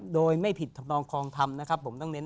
โดยไม่ผิดธรรมนองคลองธรรมนะครับ